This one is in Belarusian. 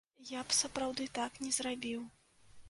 Я б сапраўды так не зрабіў.